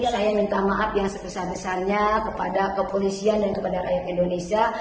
saya minta maaf yang sebesar besarnya kepada kepolisian dan kepada rakyat indonesia